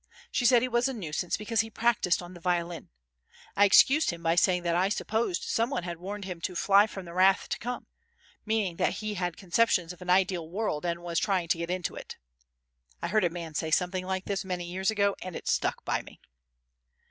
She said he was a nuisance because he practised on the violin. I excused him by saying that I supposed some one had warned him to fly from the wrath to come, meaning that he had conceptions of an ideal world and was trying to get into it. (I heard a man say something like this many years ago and it stuck by me.)